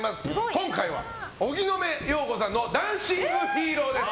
今回は荻野目洋子さんの「ダンシング・ヒーロー」です。